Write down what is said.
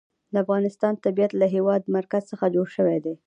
د افغانستان طبیعت له د هېواد مرکز څخه جوړ شوی دی.